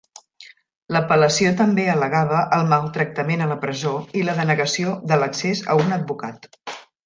L'apel·lació també al·legava el maltractament a la presó i la denegació de l'accés a un advocat.